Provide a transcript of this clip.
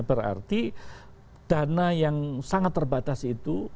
berarti dana yang sangat terbatas itu